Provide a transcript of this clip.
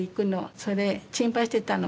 それ心配してたの。